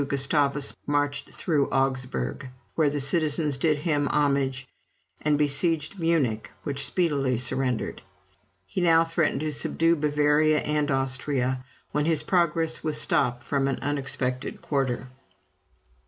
Gustavus marched through Augsburg, where the citizens did him homage, and besieged Munich, which speedily surrendered. He now threatened to subdue Bavaria and Austria, when his progress was stopped from an unexpected quarter.